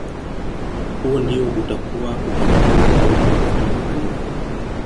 Huo ndio utakuwa utaratibu wa kudumu wa kufanya uhalifu